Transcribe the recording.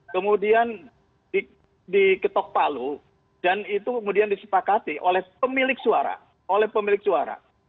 kemudian diketok palu dan itu kemudian disepakati oleh pemilik suara